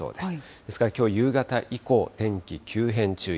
ですからきょう夕方以降、天気急変、注意。